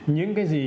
những cái gì